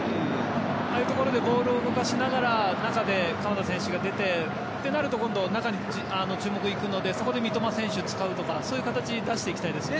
ああいうところでボールを動かしながら中で鎌田選手が出てとなると中に注目が行くのでそこで三笘選手を使うとかそういう形を出したいですね。